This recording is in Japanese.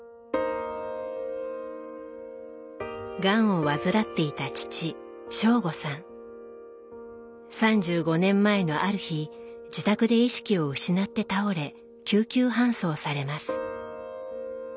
がんを患っていた３５年前のある日自宅で意識を失って倒れ救急搬送されます。